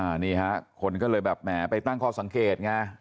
อันนี้ฮะคนก็เลยแบบแหมไปตั้งข้อสังเกตไง